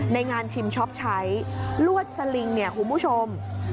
ในงานชิมช็อปใช้ลวดสลิงเนี่ยคุณผู้ชม